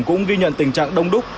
cũng ghi nhận tình trạng đông đúc